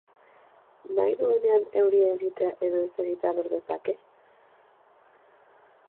Nahi duenean euria egitea edo ez egitea lor dezake?